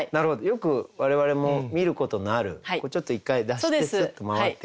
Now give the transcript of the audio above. よく我々も見ることのあるちょっと１回出してすっと回っていく。